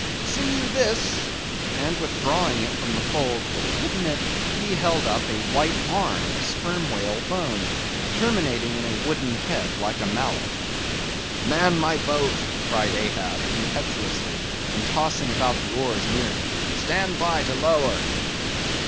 "See you this?" and withdrawing it from the folds that had hidden it, he held up a white arm of sperm whale bone, terminating in a wooden head like a mallet. "Man my boat!" cried Ahab, impetuously, and tossing about the oars near him—"Stand by to lower!"